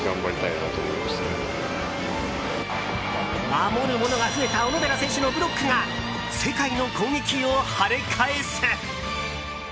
守るものが増えた小野寺選手のブロックが世界の攻撃を跳ね返す！